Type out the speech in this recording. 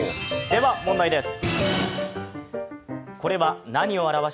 では、問題です。